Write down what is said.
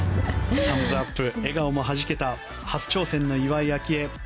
サムズアップ、笑顔もはじけた初挑戦の岩井明愛。